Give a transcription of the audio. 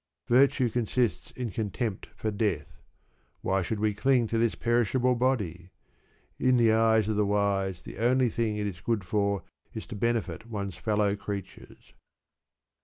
Virtue consists in contempt for death. Why should we cling to this perishable body? In the eye of the wise the only thing it is good for is to benefit one's fellow creatures.